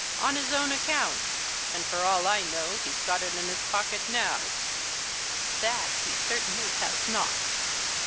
on his own account and for all I know he's got it in his pocket now." "That he certainly has not."